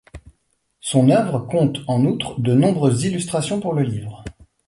Son oeuvre compte en outre de nombreuses illustrations pour le livre.